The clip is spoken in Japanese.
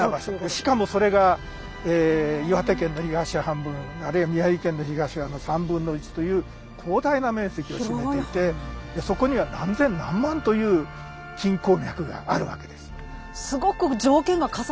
しかもそれが岩手県の東半分あるいは宮城県の東側の３分の１という広大な面積を占めていてそこには何千何万という金鉱脈があるわけです。